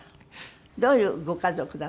どういうご家族だったんですか？